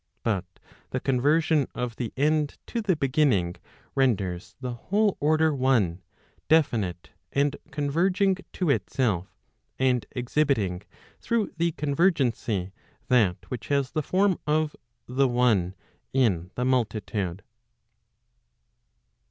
But the conversion of the end to the beginning, renders the whole order one, definite, and converging to itself, and exhibiting through the convergency, that which has the form of the one in the multitude.